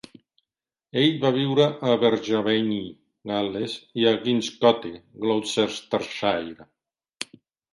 Ell va viure a Abergavenny, Gal·les, i a Kingscote, Gloucestershire.